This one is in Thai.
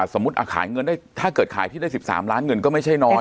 ขายเงินได้ถ้าเกิดขายที่ได้๑๓ล้านเงินก็ไม่ใช่น้อย